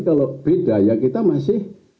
kalau beda ya kita masih